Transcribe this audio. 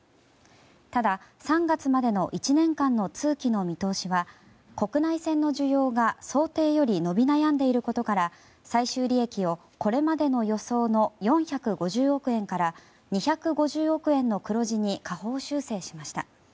ただ、３月までの１年間の通期の見通しは国内線の需要が想定より伸び悩んでいることから最終利益を、これまでの予想の４５０億円から２５０億円の黒字に下方修正しました。